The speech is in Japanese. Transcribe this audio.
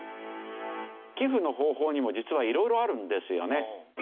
寄付の方法にも実は色々あるんですよね。